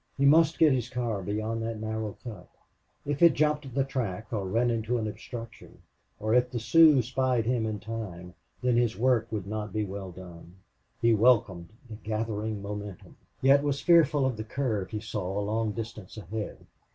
He must get his car beyond that narrow cut. If it jumped the track or ran into an obstruction, or if the Sioux spied him in time, then his work would not be well done. He welcomed the gathering momentum, yet was fearful of the curve he saw a long distance ahead.